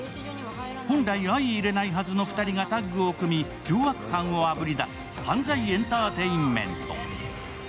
本来、相いれないはずの２人がタッグを組み、凶悪犯をあぶり出す、犯罪エンターテインメント。